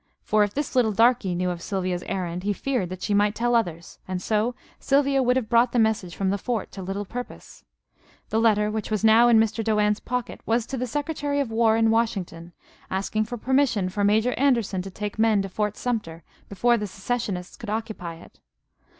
For if this little darky knew of Sylvia's errand he feared that she might tell others, and so Sylvia would have brought the message from the fort to little purpose. The letter, which was now in Mr. Doane's pocket, was to the Secretary of War in Washington, asking for permission for Major Anderson to take men to Fort Sumter, before the secessionists could occupy it.